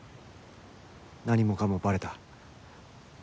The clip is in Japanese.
何もかもバレた。